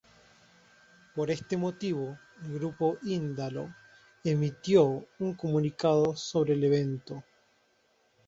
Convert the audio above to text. Por este motivo, el Grupo Indalo emitió un comunicado sobre el evento.